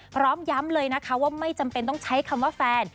พร้อมย้ำเลยนะคะว่าไม่จำเป็นต้องใช้คำว่าแฟน